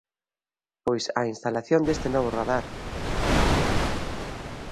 Pois á instalación deste novo radar.